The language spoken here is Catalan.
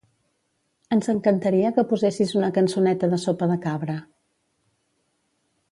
Ens encantaria que posessis una cançoneta de Sopa de Cabra.